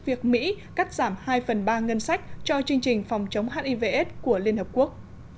việc mỹ cắt giảm hai phần ba ngân sách cho chương trình phòng chống hivs của liên hợp quốc